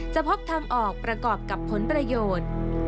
พกทางออกประกอบกับผลประโยชน์